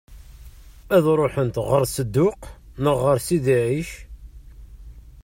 Ad ṛuḥent ɣer Sedduq neɣ ɣer Sidi Ɛic?